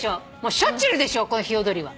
しょっちゅういるでしょヒヨドリは。